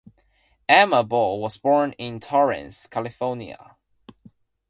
Emma Bull was born in Torrance, California.